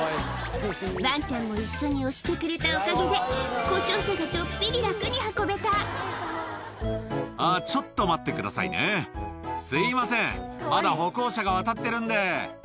ワンちゃんも一緒に押してくれたおかげで、あ、ちょっと待ってくださいね、すみません、まだ歩行者が渡ってるんで。